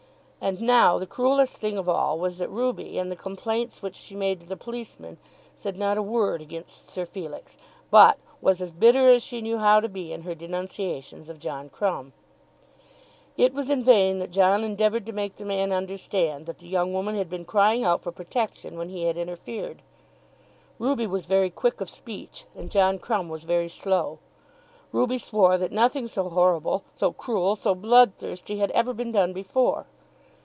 And now the cruellest thing of all was that Ruby in the complaints which she made to the policemen said not a word against Sir Felix, but was as bitter as she knew how to be in her denunciations of John Crumb. It was in vain that John endeavoured to make the man understand that the young woman had been crying out for protection when he had interfered. Ruby was very quick of speech and John Crumb was very slow. Ruby swore that nothing so horrible, so cruel, so bloodthirsty had ever been done before.